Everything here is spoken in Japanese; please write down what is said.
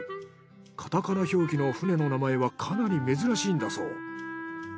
カタカナ表記の船の名前はかなり珍しいんだそう。